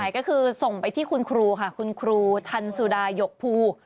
ก็คือส่งไปที่คุณครูค่ะคุณครูทันสุดาหยกภู